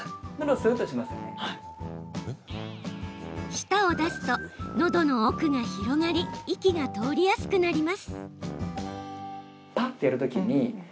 舌を出すと、のどの奥が広がり息が通りやすくなります。